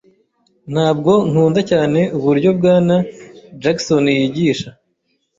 Ntabwo nkunda cyane uburyo Bwana Jackson yigisha.